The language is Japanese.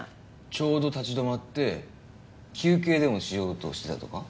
ちょうど立ち止まって休憩でもしようとしたとか？